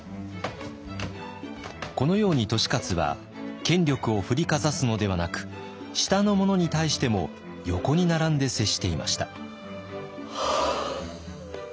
このように利勝は権力を振りかざすのではなく下の者に対しても横に並んで接していました。